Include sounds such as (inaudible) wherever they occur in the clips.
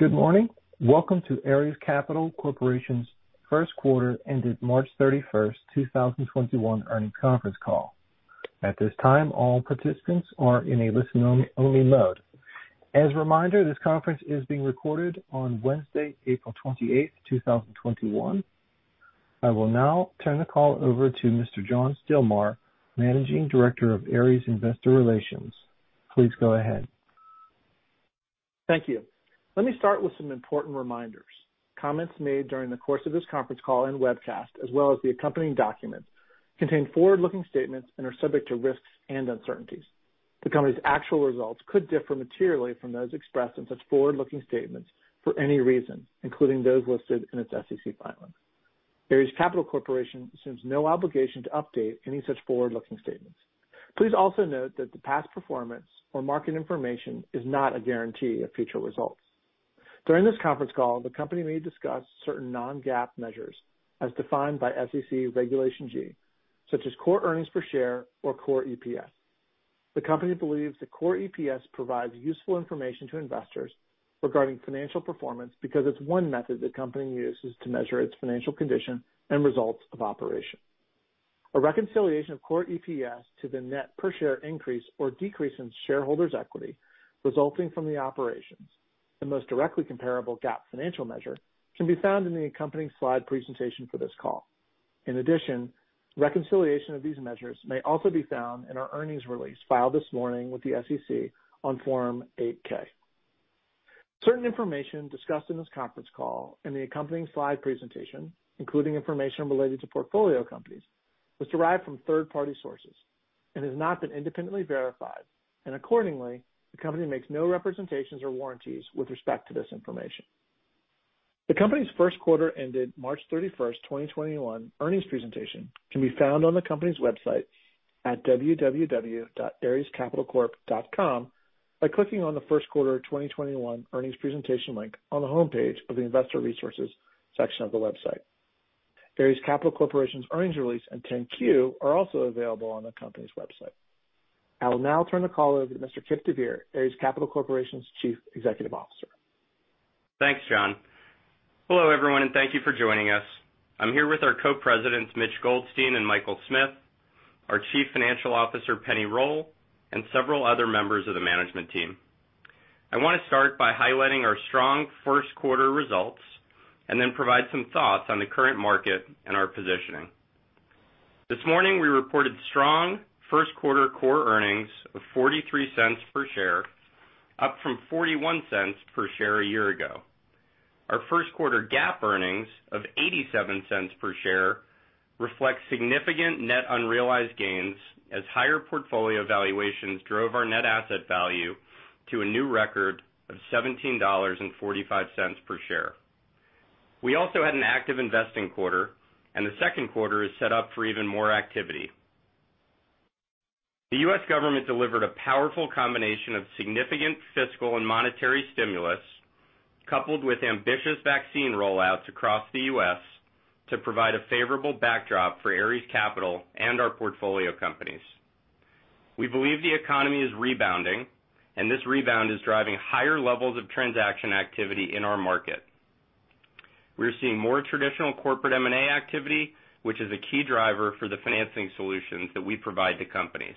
Good morning. Welcome to Ares Capital Corporation's First Quarter ended March 31st, 2021 Earnings Conference Call. At this time, all participants are in a listen-only mode. As a reminder, this conference is being recorded on Wednesday, April 28th, 2021. I will now turn the call over to Mr. John Stilmar, Managing Director of Ares Investor Relations. Please go ahead. Thank you. Let me start with some important reminders. Comments made during the course of this conference call and webcast, as well as the accompanying documents, contain forward-looking statements and are subject to risks and uncertainties. The company's actual results could differ materially from those expressed in such forward-looking statements for any reason, including those listed in its SEC filings. Ares Capital Corporation assumes no obligation to update any such forward-looking statements. Please also note that the past performance or market information is not a guarantee of future results. During this conference call, the company may discuss certain non-GAAP measures as defined by SEC Regulation G, such as core earnings per share or core EPS. The company believes that core EPS provides useful information to investors regarding financial performance because it's one method the company uses to measure its financial condition and results of operation. A reconciliation of core EPS to the net per share increase or decrease in shareholders' equity resulting from the operations, the most directly comparable GAAP financial measure, can be found in the accompanying slide presentation for this call. In addition, reconciliation of these measures may also be found in our earnings release filed this morning with the SEC on Form 8-K. Certain information discussed in this conference call and the accompanying slide presentation, including information related to portfolio companies, was derived from third-party sources and has not been independently verified. Accordingly, the company makes no representations or warranties with respect to this information. The company's first quarter ended March 31st, 2021 earnings presentation can be found on the company's website at www.arescapitalcorp.com by clicking on the first quarter 2021 earnings presentation link on the homepage of the investor resources section of the website. Ares Capital Corporation's earnings release and 10-Q are also available on the company's website. I will now turn the call over to Mr. Kipp deVeer, Ares Capital Corporation's Chief Executive Officer. Thanks, John. Hello, everyone, and thank you for joining us. I'm here with our Co-Presidents, Mitchell Goldstein and Michael Smith, our Chief Financial Officer, Penni Roll, and several other members of the management team. I want to start by highlighting our strong first quarter results then provide some thoughts on the current market and our positioning. This morning, we reported strong first quarter core earnings of $0.43 per share, up from $0.41 per share a year ago. Our first quarter GAAP earnings of $0.87 per share reflect significant net unrealized gains as higher portfolio valuations drove our net asset Value to a new record of $17.45 per share. We also had an active investing quarter, and the second quarter is set up for even more activity. The U.S. government delivered a powerful combination of significant fiscal and monetary stimulus, coupled with ambitious vaccine rollouts across the U.S. to provide a favorable backdrop for Ares Capital and our portfolio companies. We believe the economy is rebounding, and this rebound is driving higher levels of transaction activity in our market. We're seeing more traditional corporate M&A activity, which is a key driver for the financing solutions that we provide to companies.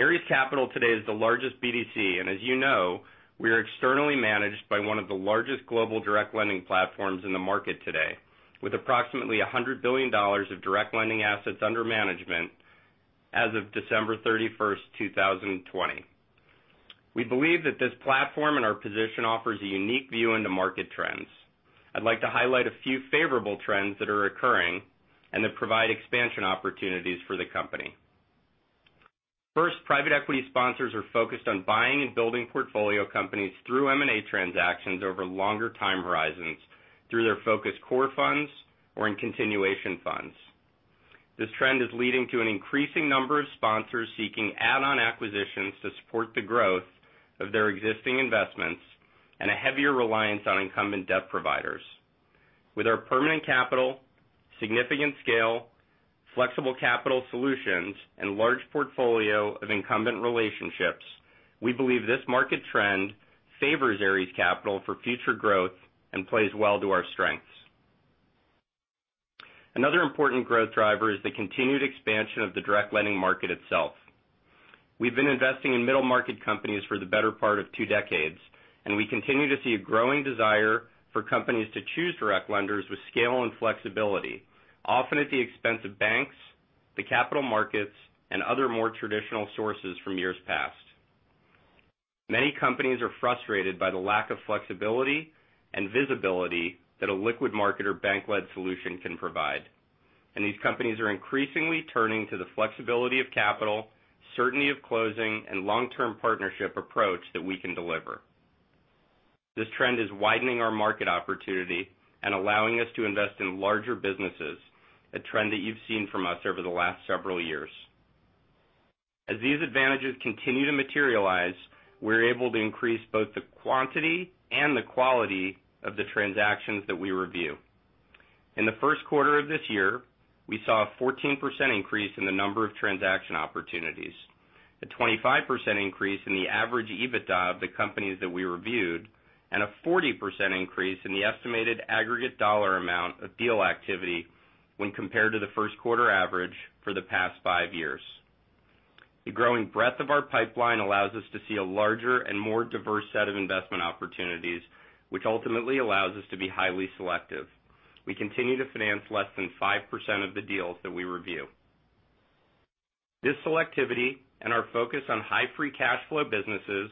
Ares Capital today is the largest BDC, and as you know, we are externally managed by one of the largest global direct lending platforms in the market today, with approximately $100 billion of direct lending assets under management as of December 31st, 2020. We believe that this platform and our position offers a unique view into market trends. I'd like to highlight a few favorable trends that are occurring and that provide expansion opportunities for the company. First, private equity sponsors are focused on buying and building portfolio companies through M&A transactions over longer time horizons through their focused core funds or in continuation funds. This trend is leading to an increasing number of sponsors seeking add-on acquisitions to support the growth of their existing investments and a heavier reliance on incumbent debt providers. With our permanent capital, significant scale, flexible capital solutions, and large portfolio of incumbent relationships, we believe this market trend favors Ares Capital for future growth and plays well to our strengths. Another important growth driver is the continued expansion of the direct lending market itself. We've been investing in middle-market companies for the better part of two decades, and we continue to see a growing desire for companies to choose direct lenders with scale and flexibility, often at the expense of banks, the capital markets, and other more traditional sources from years past. Many companies are frustrated by the lack of flexibility and visibility that a liquid market or bank-led solution can provide. These companies are increasingly turning to the flexibility of capital, certainty of closing, and long-term partnership approach that we can deliver. This trend is widening our market opportunity and allowing us to invest in larger businesses, a trend that you've seen from us over the last several years. As these advantages continue to materialize, we're able to increase both the quantity and the quality of the transactions that we review. In the first quarter of this year, we saw a 14% increase in the number of transaction opportunities, a 25% increase in the average EBITDA of the companies that we reviewed, and a 40% increase in the estimated aggregate dollar amount of deal activity when compared to the first quarter average for the past five years. The growing breadth of our pipeline allows us to see a larger and more diverse set of investment opportunities, which ultimately allows us to be highly selective. We continue to finance less than 5% of the deals that we review. This selectivity and our focus on high free cash flow businesses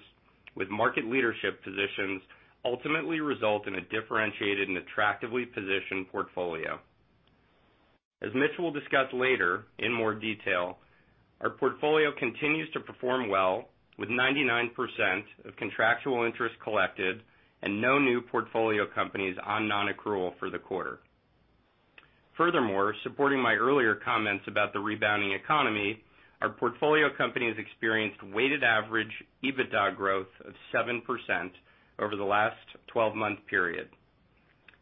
with market leadership positions ultimately result in a differentiated and attractively positioned portfolio. As Mitchell will discuss later in more detail, our portfolio continues to perform well with 99% of contractual interest collected and no new portfolio companies on non-accrual for the quarter. Furthermore, supporting my earlier comments about the rebounding economy, our portfolio companies experienced weighted average EBITDA growth of 7% over the last 12-month period.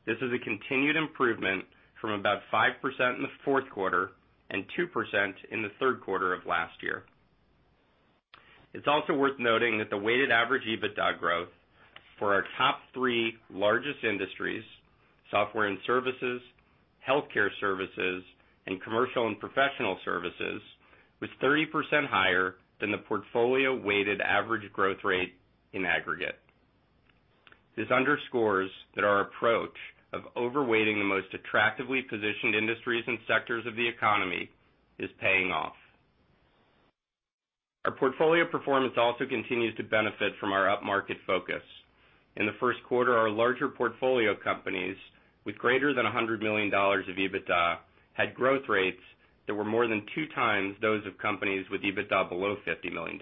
This is a continued improvement from about 5% in the fourth quarter and 2% in the third quarter of last year. It's also worth noting that the weighted average EBITDA growth for our top three largest industries, software and services, healthcare services, and commercial and professional services, was 30% higher than the portfolio weighted average growth rate in aggregate. This underscores that our approach of overweighting the most attractively positioned industries and sectors of the economy is paying off. Our portfolio performance also continues to benefit from our upmarket focus. In the first quarter, our larger portfolio companies with greater than $100 million of EBITDA had growth rates that were more than two times those of companies with EBITDA below $50 million.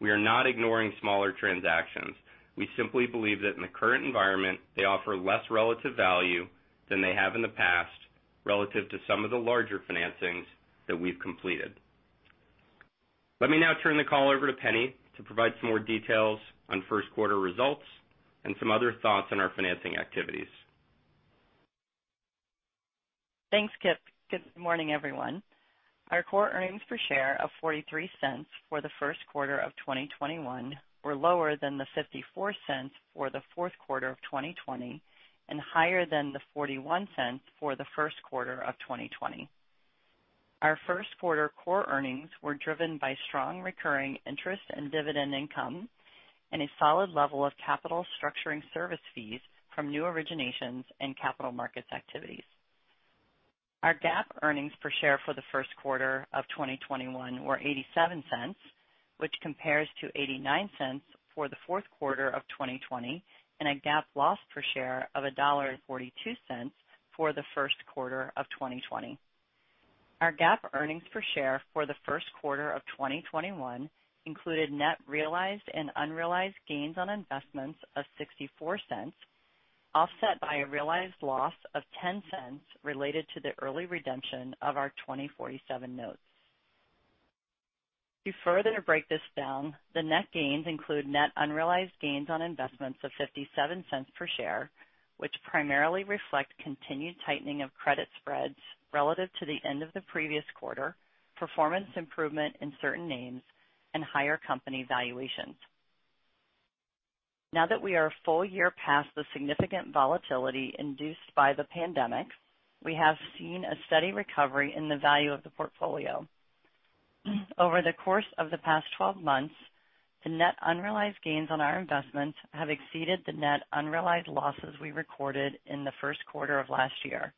We are not ignoring smaller transactions. We simply believe that in the current environment, they offer less relative value than they have in the past, relative to some of the larger financings that we've completed. Let me now turn the call over to Penni to provide some more details on first quarter results and some other thoughts on our financing activities. Thanks, Kipp. Good morning, everyone. Our core earnings per share of $0.43 for the first quarter of 2021 were lower than the $0.54 for the fourth quarter of 2020 and higher than the $0.41 for the first quarter of 2020. Our first quarter core earnings were driven by strong recurring interest in dividend income and a solid level of capital structuring service fees from new originations and capital markets activities. Our GAAP earnings per share for the first quarter of 2021 were $0.87, which compares to $0.89 for the fourth quarter of 2020, and a GAAP loss per share of $1.42 for the first quarter of 2020. Our GAAP earnings per share for the first quarter of 2021 included net realized and unrealized gains on investments of $0.64, offset by a realized loss of $0.10 related to the early redemption of our 2047 notes. To further break this down, the net gains include net unrealized gains on investments of $0.57 per share, which primarily reflect continued tightening of credit spreads relative to the end of the previous quarter, performance improvement in certain names, and higher company valuations. Now that we are a full year past the significant volatility induced by the pandemic, we have seen a steady recovery in the value of the portfolio. Over the course of the past 12 months, the net unrealized gains on our investments have exceeded the net unrealized losses we recorded in the first quarter of last year,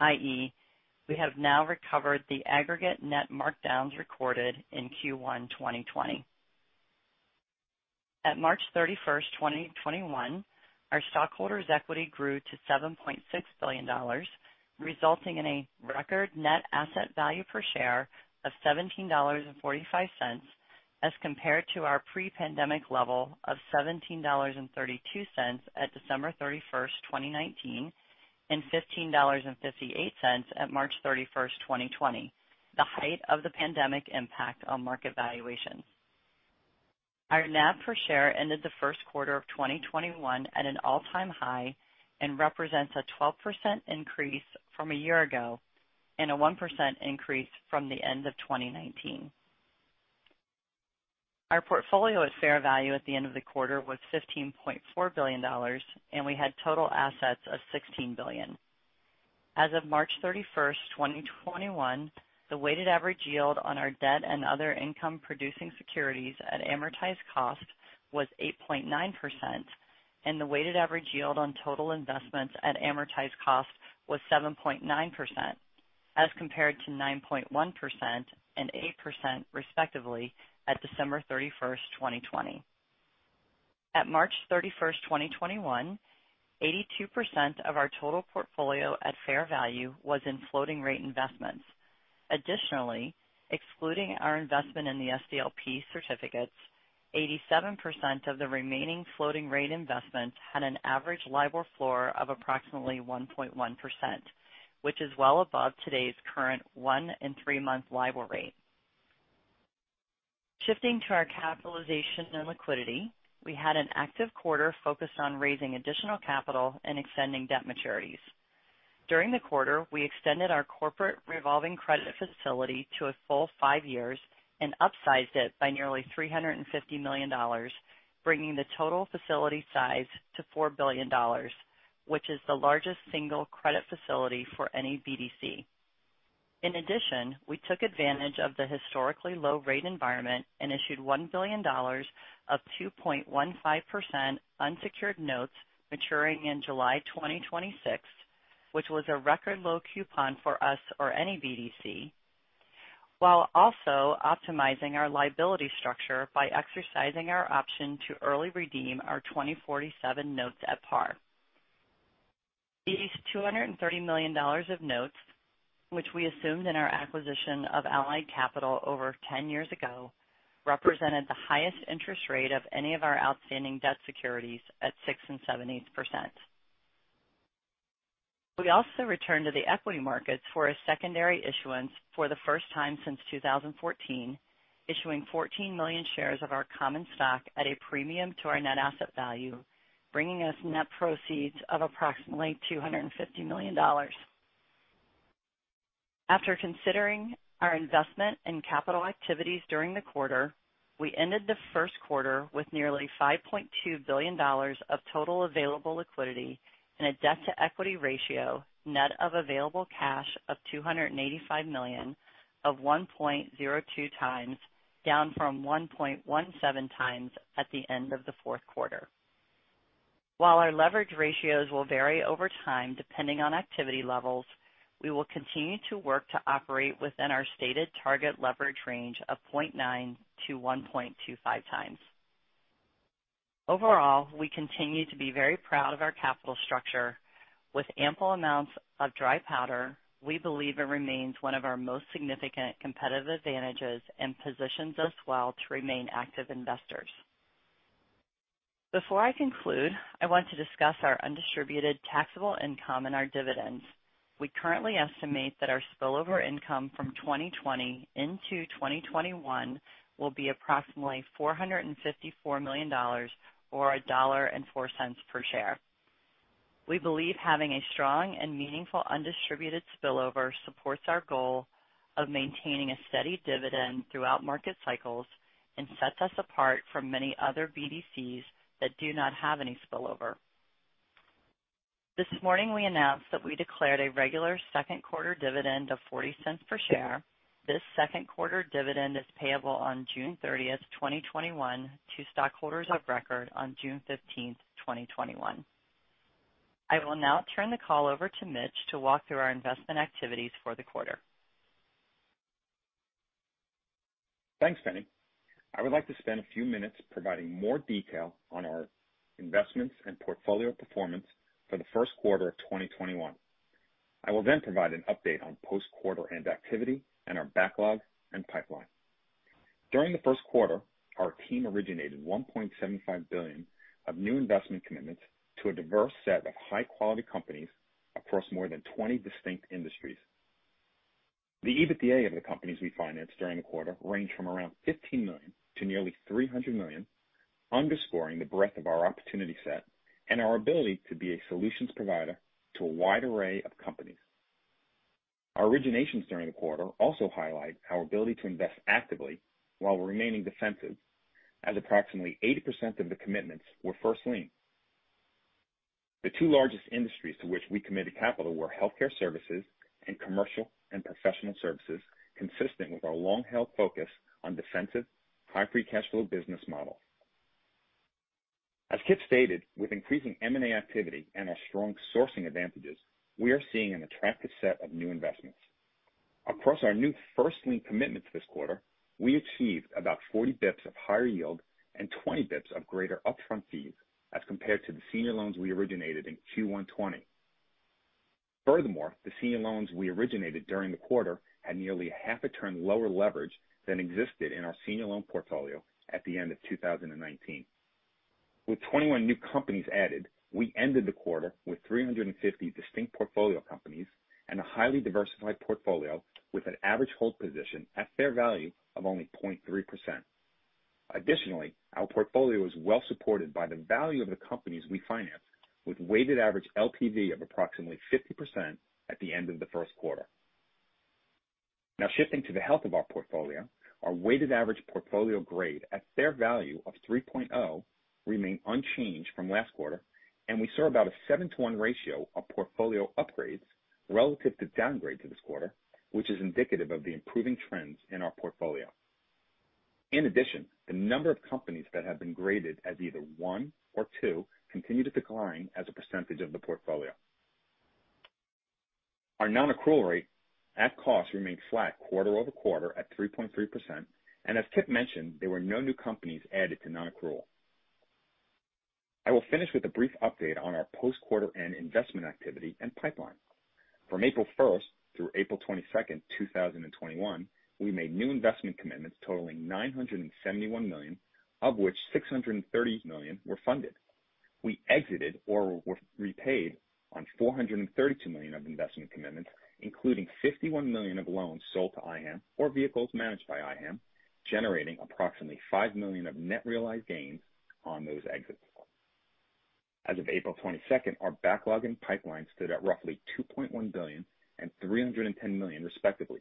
i.e., we have now recovered the aggregate net markdowns recorded in Q1 2020. At March 31st, 2021, our stockholders' equity grew to $7.6 billion, resulting in a record net asset value per share of $17.45 as compared to our pre-pandemic level of $17.32 at December 31st, 2019, and $15.58 at March 31st, 2020, the height of the pandemic impact on market valuations. Our NAV per share ended the first quarter of 2021 at an all-time high and represents a 12% increase from a year ago and a 1% increase from the end of 2019. Our portfolio at fair value at the end of the quarter was $15.4 billion, and we had total assets of $16 billion. As of March 31, 2021, the weighted average yield on our debt and other income-producing securities at amortized cost was 8.9%, and the weighted average yield on total investments at amortized cost was 7.9%, as compared to 9.1% and 8% respectively at December 31st, 2020. At March 31st, 2021, 82% of our total portfolio at fair value was in floating rate investments. Excluding our investment in the SDLP certificates, 87% of the remaining floating rate investments had an average LIBOR floor of approximately 1.1%, which is well above today's current one and three-month LIBOR rate. Shifting to our capitalization and liquidity, we had an active quarter focused on raising additional capital and extending debt maturities. During the quarter, we extended our corporate revolving credit facility to a full five years and upsized it by nearly $350 million, bringing the total facility size to $4 billion, which is the largest single credit facility for any BDC. In addition, we took advantage of the historically low rate environment and issued $1 billion of 2.15% unsecured notes maturing in July 2026, which was a record low coupon for us or any BDC, while also optimizing our liability structure by exercising our option to early redeem our 2047 notes at par. These $230 million of notes, which we assumed in our acquisition of Allied Capital over 10 years ago, represented the highest interest rate of any of our outstanding debt securities at 6.78%. We also returned to the equity markets for a secondary issuance for the first time since 2014, issuing 14 million shares of our common stock at a premium to our net asset value, bringing us net proceeds of approximately $250 million. After considering our investment and capital activities during the quarter, we ended the first quarter with nearly $5.2 billion of total available liquidity and a debt-to-equity ratio net of available cash of $285 million of 1.02x, down from 1.17x at the end of the fourth quarter. While our leverage ratios will vary over time depending on activity levels, we will continue to work to operate within our stated target leverage range of 0.9-1.25x. Overall, we continue to be very proud of our capital structure. With ample amounts of dry powder, we believe it remains one of our most significant competitive advantages and positions us well to remain active investors. Before I conclude, I want to discuss our undistributed taxable income and our dividends. We currently estimate that our spillover income from 2020 into 2021 will be approximately $454 million, or $1.04 per share. We believe having a strong and meaningful undistributed spillover supports our goal of maintaining a steady dividend throughout market cycles and sets us apart from many other BDCs that do not have any spillover. This morning, we announced that we declared a regular second quarter dividend of $0.40 per share. This second quarter dividend is payable on June 30th, 2021, to stockholders of record on June 15th, 2021. I will now turn the call over to Mitchell to walk through our investment activities for the quarter. Thanks, Penni. I would like to spend a few minutes providing more detail on our investments and portfolio performance for the first quarter of 2021. I will provide an update on post-quarter end activity and our backlog and pipeline. During the first quarter, our team originated $1.75 billion of new investment commitments to a diverse set of high-quality companies across more than 20 distinct industries. The EBITDA of the companies we financed during the quarter ranged from around $15 million to nearly $300 million, underscoring the breadth of our opportunity set and our ability to be a solutions provider to a wide array of companies. Our originations during the quarter also highlight our ability to invest actively while remaining defensive, as approximately 80% of the commitments were first lien. The two largest industries to which we committed capital were healthcare services and commercial and professional services, consistent with our long-held focus on defensive, high free cash flow business model. As Kipp stated, with increasing M&A activity and our strong sourcing advantages, we are seeing an attractive set of new investments. Across our new first lien commitments this quarter, we achieved about 40 bps of higher yield and 20 bps of greater upfront fees as compared to the senior loans we originated in Q1 2020. Furthermore, the senior loans we originated during the quarter had nearly half a turn lower leverage than existed in our senior loan portfolio at the end of 2019. With 21 new companies added, we ended the quarter with 350 distinct portfolio companies and a highly diversified portfolio with an average hold position at fair value of only 0.3%. Our portfolio is well supported by the value of the companies we financed, with weighted average LTV of approximately 50% at the end of the first quarter. Shifting to the health of our portfolio, our weighted average portfolio grade at fair value of 3.0 remained unchanged from last quarter, and we saw about a seven to one ratio of portfolio upgrades relative to downgrades this quarter, which is indicative of the improving trends in our portfolio. The number of companies that have been graded as either one or two continue to decline as a percentage of the portfolio. Our non-accrual rate at cost remained flat quarter-over-quarter at 3.3%, and as Kipp mentioned, there were no new companies added to non-accrual. I will finish with a brief update on our post-quarter end investment activity and pipeline. From April 1st through April 22nd, 2021, we made new investment commitments totaling $971 million, of which $630 million were funded. We exited or repaid on $432 million of investment commitments, including $51 million of loans sold to IHAM or vehicles managed by IHAM, generating approximately $5 million of net realized gains on those exits. As of April 22nd, our backlog and pipeline stood at roughly $2.1 billion and $310 million respectively.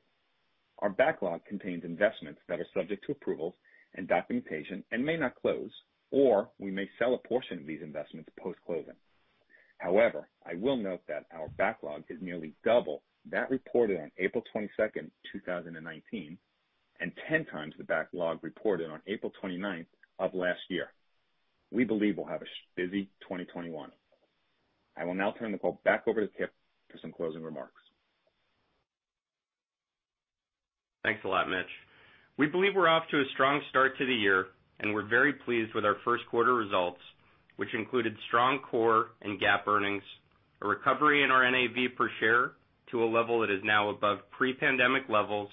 Our backlog contains investments that are subject to approvals and documentation and may not close, or we may sell a portion of these investments post-closing. I will note that our backlog is nearly double that reported on April 22nd, 2019, and ten times the backlog reported on April 29th of last year. We believe we'll have a busy 2021. I will now turn the call back over to Kipp for some closing remarks. Thanks a lot, Mitch. We believe we're off to a strong start to the year, and we're very pleased with our first quarter results, which included strong core and GAAP earnings, a recovery in our NAV per share to a level that is now above pre-pandemic levels,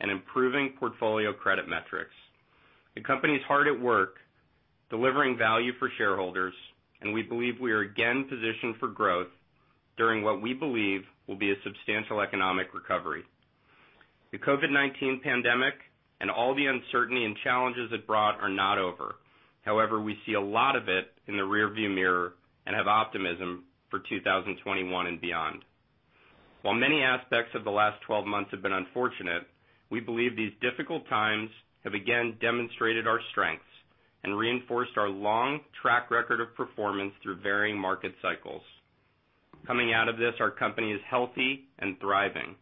and improving portfolio credit metrics. The company is hard at work delivering value for shareholders, and we believe we are again positioned for growth during what we believe will be a substantial economic recovery. The COVID-19 pandemic and all the uncertainty and challenges it brought are not over. However, we see a lot of it in the rear view mirror and have optimism for 2021 and beyond. While many aspects of the last 12 months have been unfortunate, we believe these difficult times have again demonstrated our strengths and reinforced our long track record of performance through varying market cycles. Coming out of this, our company is healthy and thriving.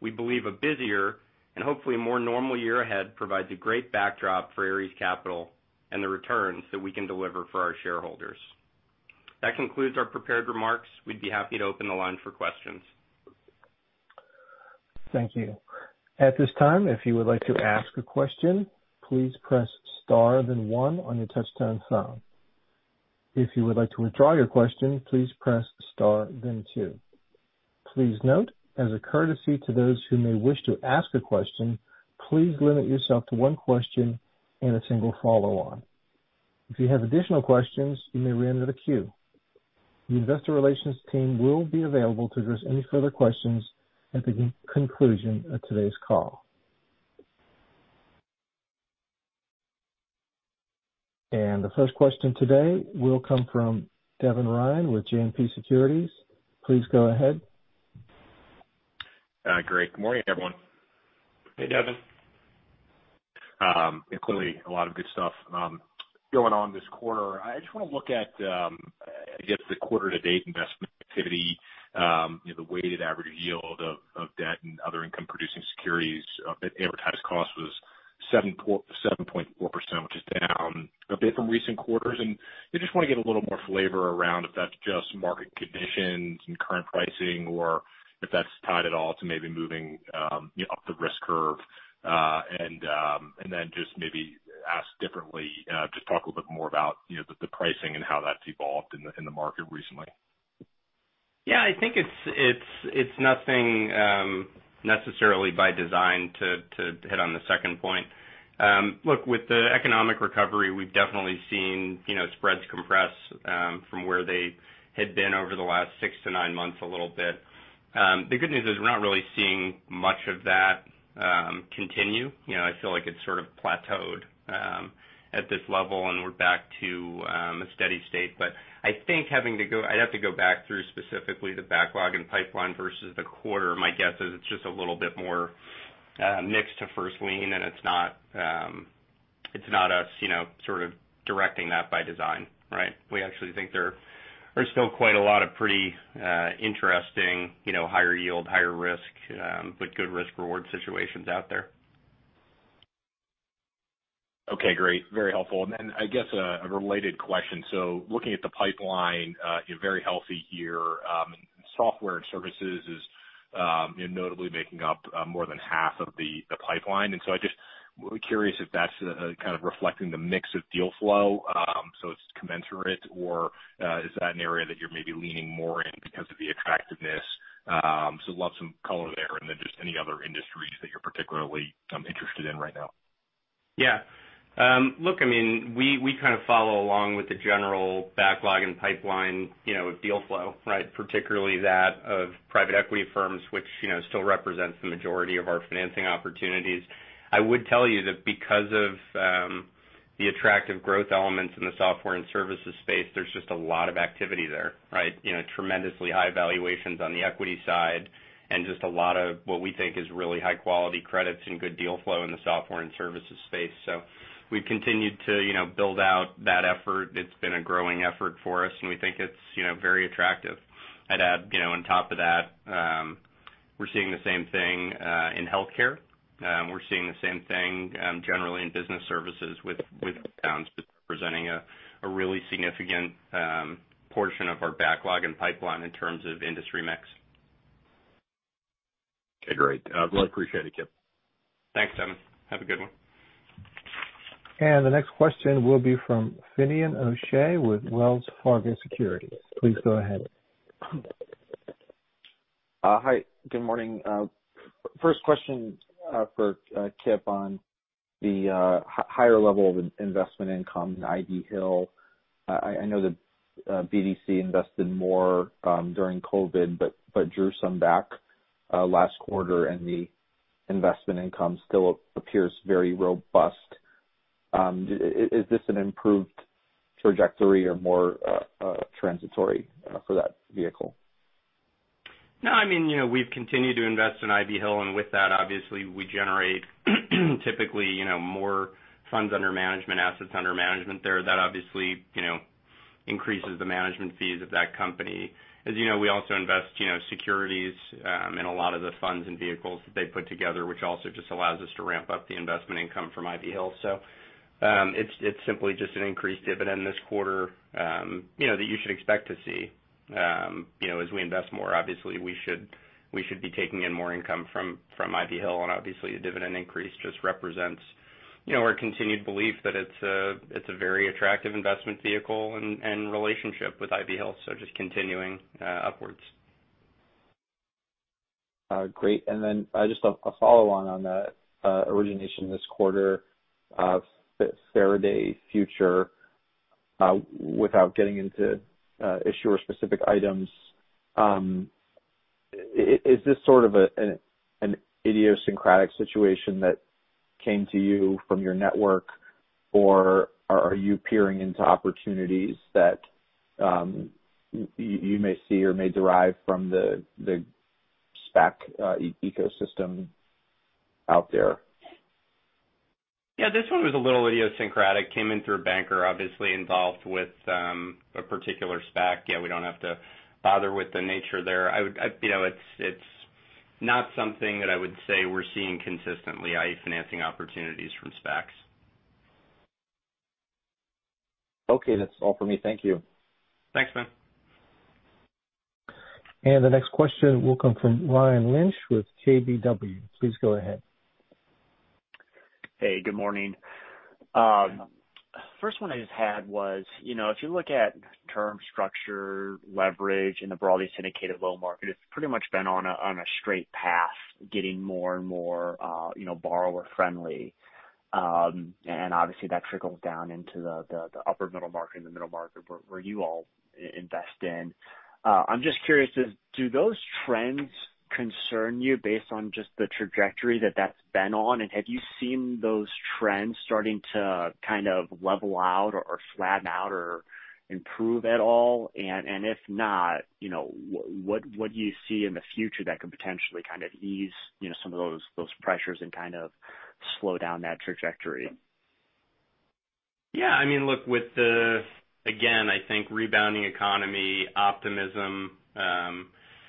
We believe a busier and hopefully more normal year ahead provides a great backdrop for Ares Capital and the returns that we can deliver for our shareholders. That concludes our prepared remarks. We'd be happy to open the line for questions. Thank you. At this time, if you would like to ask a question, please press star then one on your touchtone phone. If you would like to withdraw your question, please press star then two. Please note, as a courtesy to those who may wish to ask a question, please limit yourself to one question and a single follow-up. If you have additional questions, you may re-enter the queue. The investor relations team will be available to address any further questions at the conclusion of today's call. The first question today will come from Devin Ryan with JMP Securities. Please go ahead. Great. Good morning, everyone. Hey, Devin. Clearly a lot of good stuff going on this quarter. I just want to look at, I guess, the quarter to date investment activity, the weighted average yield of debt and other income producing securities at amortized cost was 7.4%, which is down a bit from recent quarters. I just want to get a little more flavor around if that's just market conditions and current pricing or if that's tied at all to maybe moving up the risk curve. Then just maybe ask differently, just talk a little bit more about the pricing and how that's evolved in the market recently. I think it's nothing necessarily by design to hit on the second point. Look, with the economic recovery, we've definitely seen spreads compress from where they had been over the last six-nine months a little bit. The good news is we're not really seeing much of that continue. I feel like it's sort of plateaued at this level, and we're back to a steady state. I think I'd have to go back through specifically the backlog and pipeline versus the quarter. My guess is it's just a little bit more mixed to first lien, and it's not us sort of directing that by design. Right? We actually think there are still quite a lot of pretty interesting higher yield, higher risk, but good risk reward situations out there. Okay, great. Very helpful. I guess a related question. Looking at the pipeline, very healthy year. Software and services is notably making up more than half of the pipeline, I'm just curious if that's kind of reflecting the mix of deal flow, so it's commensurate or is that an area that you're maybe leaning more in because of the attractiveness? Would love some color there and then just any other industries that you're particularly interested in right now. Yeah. Look, we kind of follow along with the general backlog and pipeline deal flow. Right? Particularly that of private equity firms, which still represents the majority of our financing opportunities. I would tell you that because of the attractive growth elements in the software and services space, there's just a lot of activity there. Right? Tremendously high valuations on the equity side and just a lot of what we think is really high quality credits and good deal flow in the software and services space. We've continued to build out that effort. It's been a growing effort for us, and we think it's very attractive. I'd add on top of that, we're seeing the same thing in healthcare. We're seeing the same thing generally in business services with accounts presenting a really significant portion of our backlog and pipeline in terms of industry mix. Okay, great. Well, I appreciate it, Kipp. Thanks, Devin. Have a good one. The next question will be from Finian O'Shea with Wells Fargo Securities. Please go ahead. Hi, good morning. First question for Kipp on the higher level of investment income in Ivy Hill. I know that BDC invested more during COVID, but drew some back last quarter, and the investment income still appears very robust. Is this an improved trajectory or more transitory for that vehicle? No, we've continued to invest in Ivy Hill, and with that, obviously, we generate typically more funds under management, assets under management there. That obviously increases the management fees of that company. As you know, we also invest securities in a lot of the funds and vehicles that they put together, which also just allows us to ramp up the investment income from Ivy Hill. It's simply just an increased dividend this quarter that you should expect to see. As we invest more, obviously we should be taking in more income from Ivy Hill, and obviously the dividend increase just represents our continued belief that it's a very attractive investment vehicle and relationship with Ivy Hill. Just continuing upwards. Great. Just a follow-on on that origination this quarter of Faraday Future, without getting into issuer-specific items, is this sort of an idiosyncratic situation that came to you from your network, or are you peering into opportunities that you may see or may derive from the SPAC ecosystem out there? This one was a little idiosyncratic. Came in through a banker obviously involved with a particular SPAC. We don't have to bother with the nature there. It's not something that I would say we're seeing consistently, i.e., financing opportunities from SPACs. Okay. That's all for me. Thank you. Thanks, man. The next question will come from Ryan Lynch with KBW. Please go ahead. Hey, good morning. First one I just had was, if you look at term structure, leverage in the broadly syndicated loan market, it's pretty much been on a straight path, getting more and more borrower friendly. Obviously that trickles down into the upper middle market and the middle market where you all invest in. I'm just curious, do those trends concern you based on just the trajectory that that's been on? Have you seen those trends starting to kind of level out or flatten out or improve at all? If not, what do you see in the future that could potentially kind of ease some of those pressures and kind of slow down that trajectory? Yeah, look, with the, again, I think rebounding economy, optimism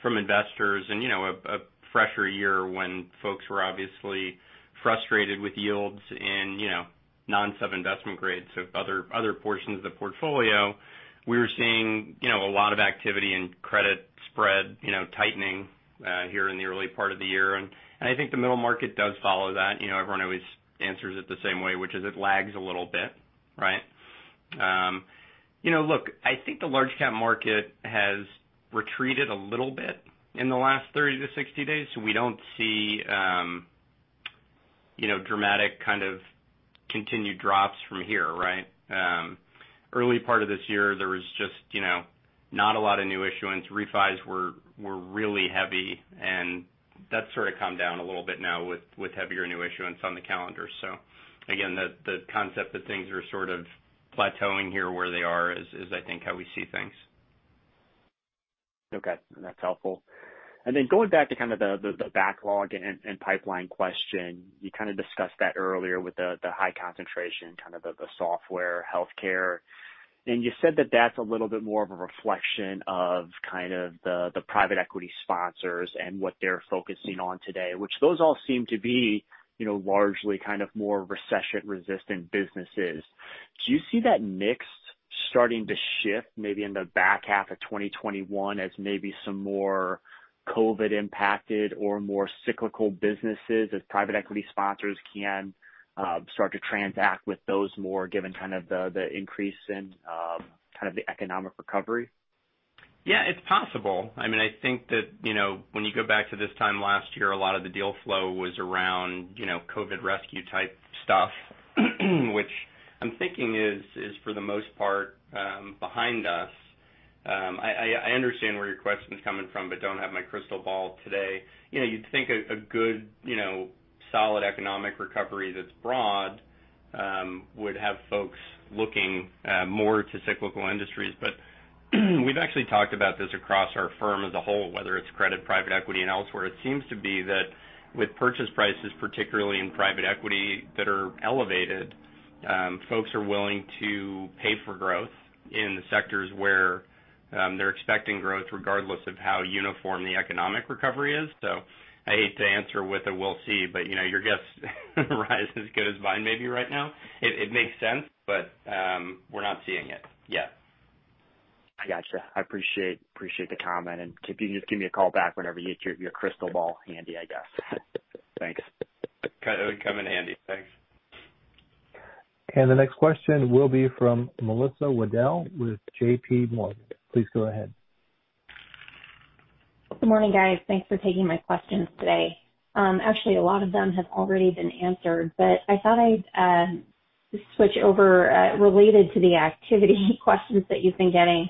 from investors and a fresher year when folks were obviously frustrated with yields in non-sub-investment grade, so other portions of the portfolio. We were seeing a lot of activity in credit spread tightening here in the early part of the year. I think the middle market does follow that. Everyone always answers it the same way, which is it lags a little bit, right? Look, I think the large cap market has retreated a little bit in the last 30-60 days, so we don't see dramatic kind of continued drops from here, right? Early part of this year, there was just not a lot of new issuance. Refis were really heavy, and that's sort of come down a little bit now with heavier new issuance on the calendar. Again, the concept that things are sort of plateauing here where they are is, I think, how we see things. Okay. That's helpful. Going back to kind of the backlog and pipeline question. You kind of discussed that earlier with the high concentration, kind of the software healthcare. You said that that's a little bit more of a reflection of kind of the private equity sponsors and what they're focusing on today. Which those all seem to be largely kind of more recession-resistant businesses. Do you see that mix starting to shift maybe in the back half of 2021 as maybe some more COVID-19 impacted or more cyclical businesses as private equity sponsors can start to transact with those more given kind of the increase in kind of the economic recovery? Yeah, it's possible. I think that when you go back to this time last year, a lot of the deal flow was around COVID-19 rescue type stuff, which I'm thinking is, for the most part, behind us. I understand where your question's coming from, but don't have my crystal ball today. You'd think a good, solid economic recovery that's broad would have folks looking more to cyclical industries. We've actually talked about this across our firm as a whole, whether it's credit, private equity, and elsewhere. It seems to be that with purchase prices, particularly in private equity, that are elevated, folks are willing to pay for growth in the sectors where they're expecting growth, regardless of how uniform the economic recovery is. I hate to answer with a we'll see, but your guess Ryan, is as good as mine maybe right now. It makes sense, but we're not seeing it yet. I gotcha. I appreciate the comment. Kipp, you can just give me a call back whenever you get your crystal ball handy, I guess. Thanks. It would come in handy. Thanks. The next question will be from Melissa Wedel with JPMorgan. Please go ahead. Good morning, guys. Thanks for taking my questions today. Actually, a lot of them have already been answered, I thought I'd switch over, related to the activity questions that you've been getting.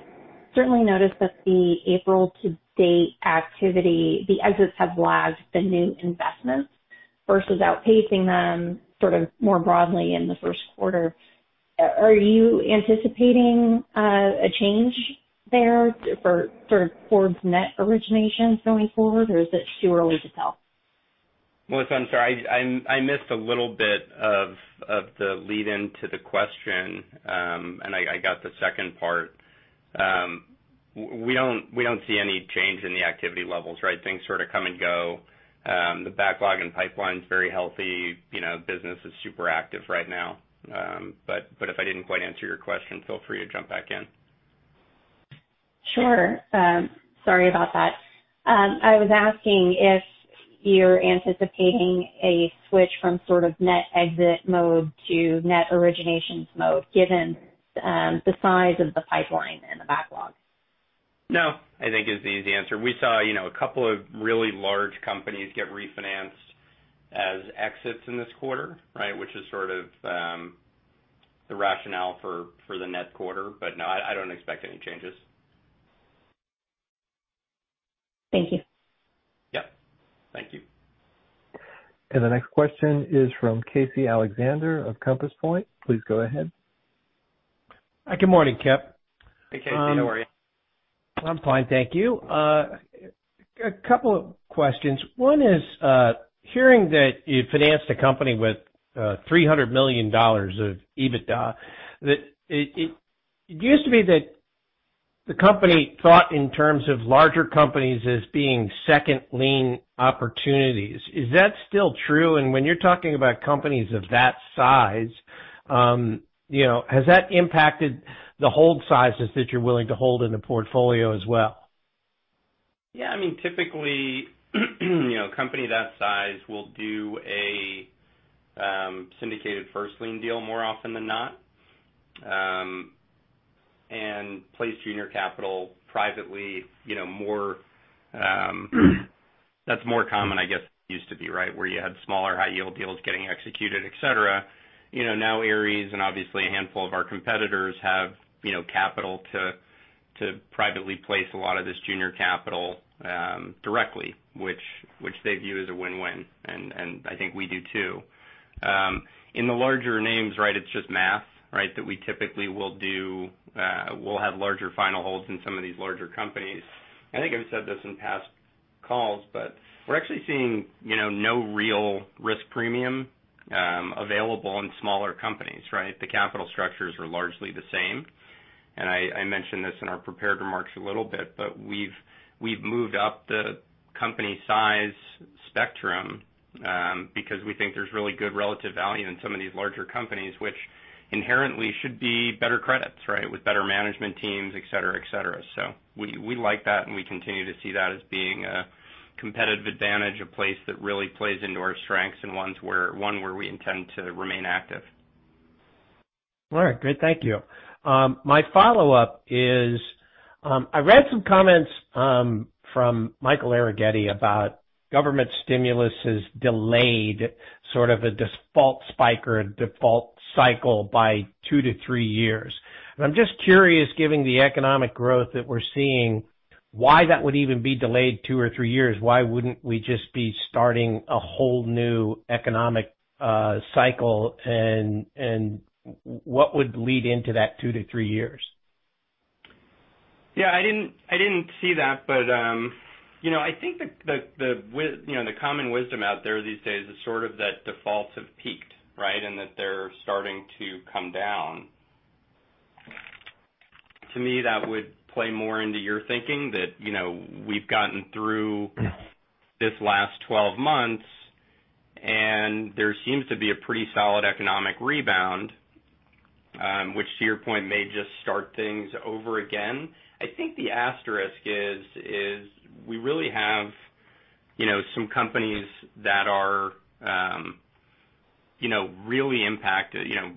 Certainly notice that the April to date activity, the exits have lagged the new investments versus outpacing them sort of more broadly in the first quarter. Are you anticipating a change there for Ares net origination going forward, or is it too early to tell? Melissa, I'm sorry, I missed a little bit of the lead into the question. I got the second part. We don't see any change in the activity levels, right? Things sort of come and go. The backlog and pipeline's very healthy. Business is super active right now. If I didn't quite answer your question, feel free to jump back in. Sure. Sorry about that. I was asking if you're anticipating a switch from sort of net exit mode to net originations mode, given the size of the pipeline and the backlog. No, I think is the easy answer. We saw a couple of really large companies get refinanced as exits in this quarter, which is sort of the rationale for the net quarter. No, I don't expect any changes. Thank you. Yep. Thank you. The next question is from Casey Alexander of Compass Point. Please go ahead. Good morning, Kipp. Hey, Casey. How are you? I'm fine, thank you. A couple of questions. One is, hearing that you financed a company with $300 million of EBITDA. It used to be that the company thought in terms of larger companies as being second lien opportunities. Is that still true? When you're talking about companies of that size, has that impacted the hold sizes that you're willing to hold in the portfolio as well? Yeah. Typically, a company that size will do a syndicated first lien deal more often than not, and place junior capital privately. That's more common, I guess, than it used to be, where you had smaller high yield deals getting executed, et cetera. Now Ares and obviously a handful of our competitors have capital to privately place a lot of this junior capital directly, which they view as a win-win. I think we do too. In the larger names, it's just math that we typically will have larger final holds in some of these larger companies. I think I've said this in past calls, but we're actually seeing no real risk premium available in smaller companies. The capital structures are largely the same. I mentioned this in our prepared remarks a little bit, but we've moved up the company size spectrum because we think there's really good relative value in some of these larger companies, which inherently should be better credits with better management teams, et cetera. We like that, and we continue to see that as being a competitive advantage, a place that really plays into our strengths and one where we intend to remain active. All right, great. Thank you. My follow-up is, I read some comments from Spencer Arrighetti about government stimulus has delayed sort of a default spike or a default cycle by two-three years. I'm just curious, given the economic growth that we're seeing, why that would even be delayed two or three years. Why wouldn't we just be starting a whole new economic cycle and what would lead into that two to three years? Yeah, I didn't see that. I think the common wisdom out there these days is sort of that defaults have peaked. That they're starting to come down. To me, that would play more into your thinking that we've gotten through this last 12 months, and there seems to be a pretty solid economic rebound. To your point, may just start things over again. I think the asterisk is we really have some companies that are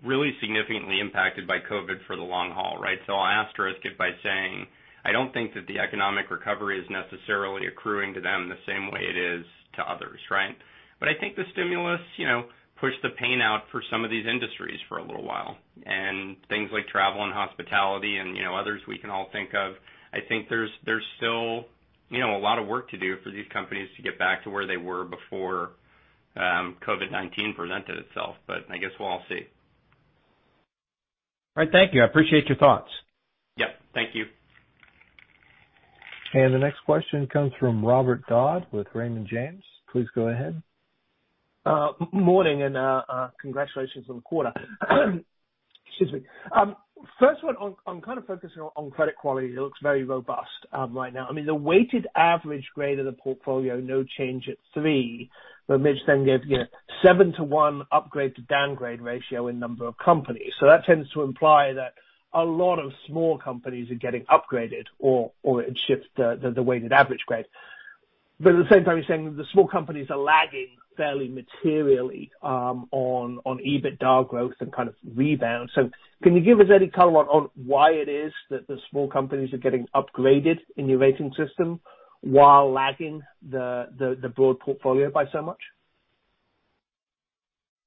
really significantly impacted by COVID for the long haul. I'll asterisk it by saying, I don't think that the economic recovery is necessarily accruing to them the same way it is to others. I think the stimulus pushed the pain out for some of these industries for a little while. Things like travel and hospitality and others we can all think of. I think there's still a lot of work to do for these companies to get back to where they were before COVID-19 presented itself. I guess we'll all see. All right. Thank you. I appreciate your thoughts. Yep. Thank you. The next question comes from Robert Dodd with Raymond James. Please go ahead. Morning, congratulations on the quarter. Excuse me. First one, I'm kind of focusing on credit quality. It looks very robust right now. The weighted average grade of the portfolio, no change at three. Mitch then gave seven to one upgrade to downgrade ratio in number of companies. That tends to imply that a lot of small companies are getting upgraded or it shifts the weighted average grade. At the same time, you're saying that the small companies are lagging fairly materially on EBITDA growth and kind of rebound. Can you give us any color on why it is that the small companies are getting upgraded in your rating system while lagging the broad portfolio by so much?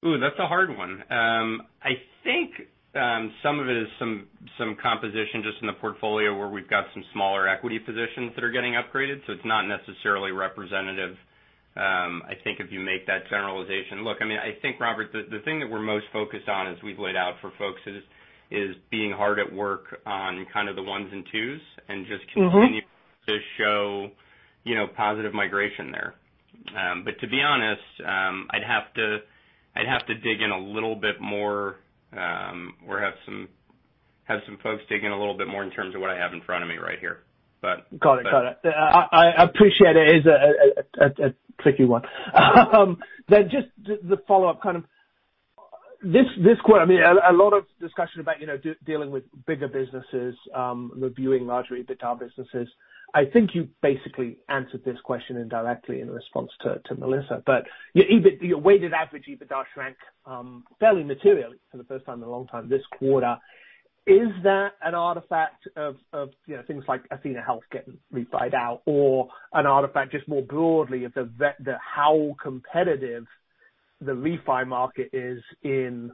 That's a hard one. I think some of it is some composition just in the portfolio where we've got some smaller equity positions that are getting upgraded. It's not necessarily representative, I think if you make that generalization. Look, I think, Robert, the thing that we're most focused on as we've laid out for folks is being hard at work on kind of the ones and twos. (inaudible) to show positive migration there. To be honest, I'd have to dig in a little bit more, or have some folks dig in a little bit more in terms of what I have in front of me right here. Got it. I appreciate it. It is a tricky one. Just the follow-up kind of This quarter, a lot of discussion about dealing with bigger businesses, reviewing larger EBITDA businesses. I think you basically answered this question indirectly in response to Melissa, but your weighted average EBITDA shrank fairly materially for the first time in a long time this quarter. Is that an artifact of things like athenahealth getting refied out or an artifact just more broadly of how competitive the refi market is in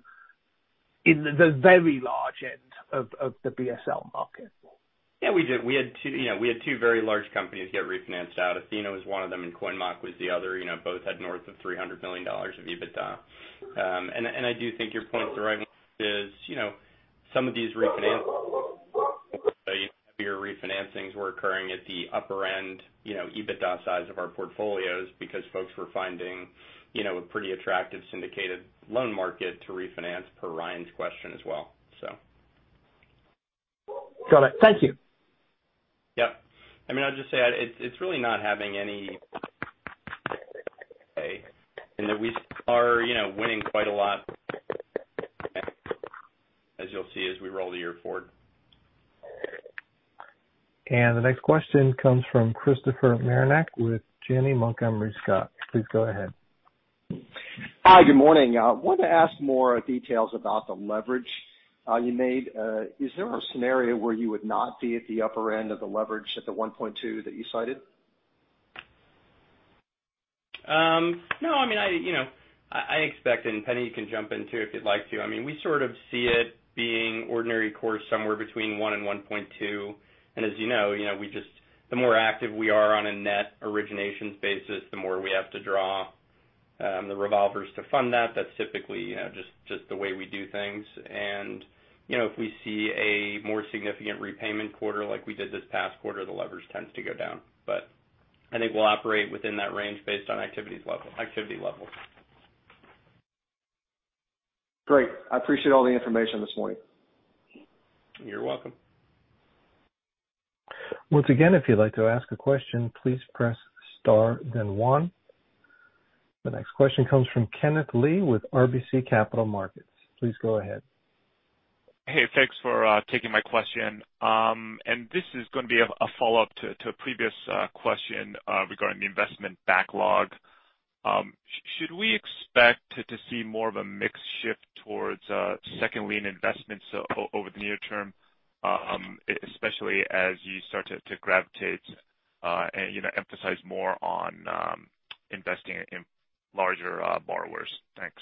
the very large end of the BSL market? Yeah. We had two very large companies get refinanced out. athenahealth was one of them, and CoinMKT was the other. Both had north of $300 million of EBITDA. I do think your point is right, is some of these refinancings were occurring at the upper end EBITDA size of our portfolios because folks were finding a pretty attractive syndicated loan market to refinance per Ryan's question as well. Got it. Thank you. Yep. I'll just say that it's really not having any and that we are winning quite a lot as you'll see as we roll the year forward. The next question comes from Christopher Marinac with Janney Montgomery Scott. Please go ahead. Hi. Good morning. I wanted to ask more details about the leverage you made. Is there a scenario where you would not be at the upper end of the leverage at the 1.2 that you cited? No. I expect, and Penni, you can jump in too if you'd like to. We sort of see it being ordinary course somewhere between 1-1.2. As you know, the more active we are on a net originations basis, the more we have to draw the revolvers to fund that. That's typically just the way we do things. If we see a more significant repayment quarter like we did this past quarter, the leverage tends to go down. I think we'll operate within that range based on activity levels. Great. I appreciate all the information this morning. You're welcome. Once again, if you'd like to ask a question, please press star then one. The next question comes from Kenneth Lee with RBC Capital Markets. Please go ahead. Hey, thanks for taking my question. This is going to be a follow-up to a previous question regarding the investment backlog. Should we expect to see more of a mix shift towards second lien investments over the near term, especially as you start to gravitate and emphasize more on investing in larger borrowers? Thanks.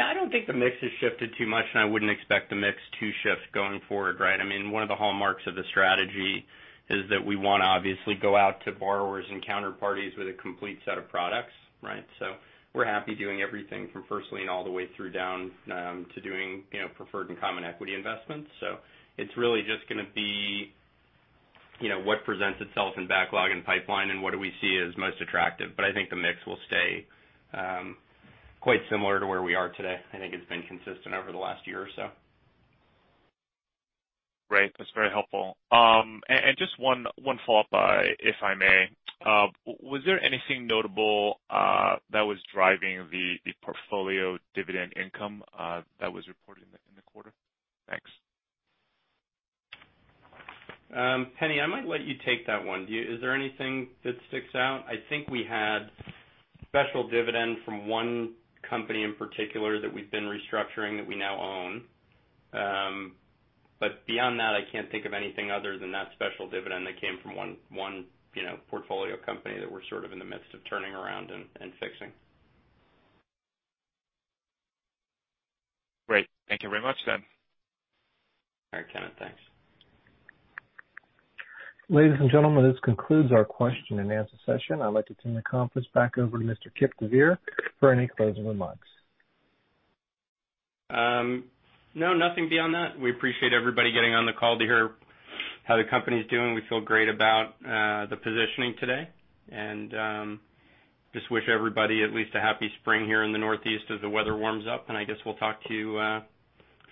I don't think the mix has shifted too much, and I wouldn't expect the mix to shift going forward. Right? One of the hallmarks of the strategy is that we want to obviously go out to borrowers and counterparties with a complete set of products, right? We're happy doing everything from first lien all the way through down to doing preferred and common equity investments. It's really just going to be what presents itself in backlog and pipeline and what do we see as most attractive. I think the mix will stay quite similar to where we are today. I think it's been consistent over the last year or so. Great. That's very helpful. Just one follow-up if I may. Was there anything notable that was driving the portfolio dividend income that was reported in the quarter? Thanks. Penni, I might let you take that one. Is there anything that sticks out? I think we had special dividend from one company in particular that we've been restructuring that we now own. Beyond that, I can't think of anything other than that special dividend that came from one portfolio company that we're sort of in the midst of turning around and fixing. Great. Thank you very much then. All right, Kenneth. Thanks. Ladies and gentlemen, this concludes our question and answer session. I'd like to turn the conference back over to Mr. Kipp deVeer for any closing remarks. No, nothing beyond that. We appreciate everybody getting on the call to hear how the company's doing. We feel great about the positioning today and just wish everybody at least a happy spring here in the northeast as the weather warms up. I guess we'll talk to you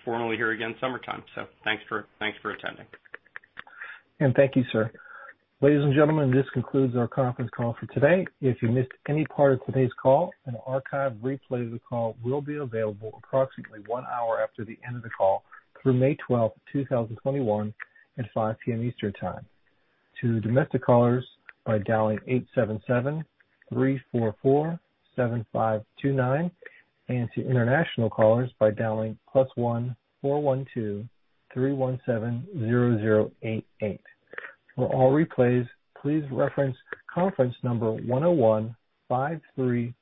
formally here again summertime. Thanks for attending. Thank you, sir. Ladies and gentlemen, this concludes our conference call for today. If you missed any part of today's call, an archive replay of the call will be available approximately one hour after the end of the call through May 12, 2021 at 5:00 P.M. Eastern Time. To domestic callers by dialing 877-344-7529, and to international callers by dialing +1-412-317-0088. For all replays, please reference conference number 10153140.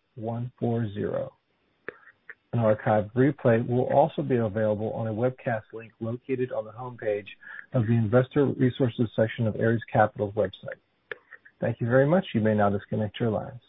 An archive replay will also be available on a webcast link located on the homepage of the Investor Resources section of Ares Capital's website. Thank you very much. You may now disconnect your lines.